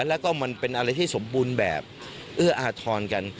แล้วก็มันเป็นอะไรที่สมบูรณ์แบบเอื้ออาทรกัน